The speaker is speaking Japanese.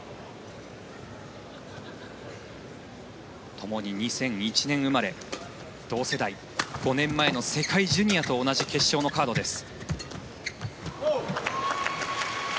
ともに２００１年生まれ同世代５年前の世界ジュニアと同じ決勝のカードです。